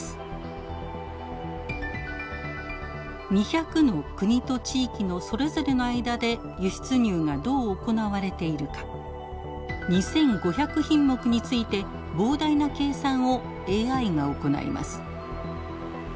２００の国と地域のそれぞれの間で輸出入がどう行われているか２，５００品目について膨大な計算をＡＩが行います。